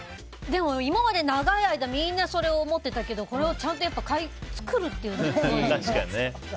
でも、今まで長い間みんなそれを思っていたけどちゃんとこれを作るっていうね。